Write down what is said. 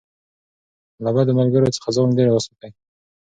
له بدو ملګرو څخه ځان لېرې وساتئ.